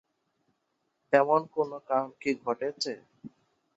তেমন কোনো কারণ কি ঘটেছে?